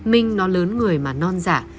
minh nó lớn người mà non giả